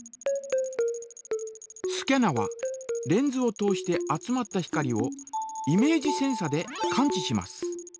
スキャナはレンズを通して集まった光をイメージセンサで感知します。